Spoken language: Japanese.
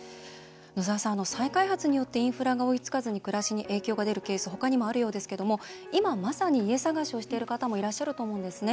野澤さん、再開発によってインフラが追いつかずに暮らしに影響が出るケース他にもあるようですけども今、まさに家探しをしている方もいらっしゃると思うんですね。